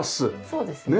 そうですね。